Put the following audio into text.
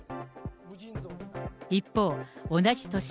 一方、同じ年。